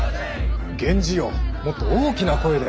源氏よもっと大きな声で。